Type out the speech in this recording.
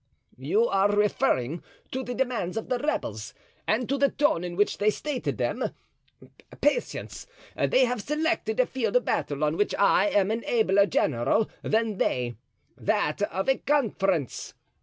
"You are referring to the demands of the rebels and to the tone in which they stated them? Patience! They have selected a field of battle on which I am an abler general than they—that of a conference.